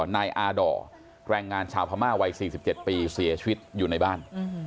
นายอาดอร์แรงงานชาวพม่าวัย๔๗ปีเสียชีวิตอยู่ในบ้าน